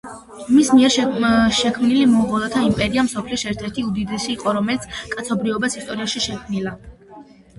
მის მიერ შექმნილი მონღოლთა იმპერია, მსოფლიოში ერთ-ერთი უდიდესი იყო, რომელიც კაცობრიობის ისტორიაში შექმნილა.